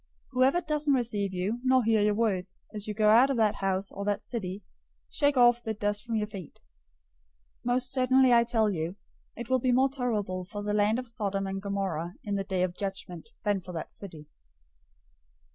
010:014 Whoever doesn't receive you, nor hear your words, as you go out of that house or that city, shake off the dust from your feet. 010:015 Most certainly I tell you, it will be more tolerable for the land of Sodom and Gomorrah in the day of judgment than for that city.